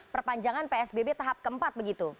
perpanjangan psbb tahap keempat begitu